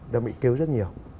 đã bị kêu rất nhiều